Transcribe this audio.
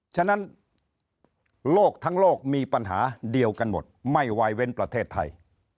ฉะนั้นโลกทั้งโลกมีปัญหาเดียวกันหมดไม่วายเว้นประเทศไทย